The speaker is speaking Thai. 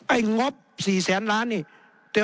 ไอ้งบ๔๐๐๐๐๐ล้านเนี่ย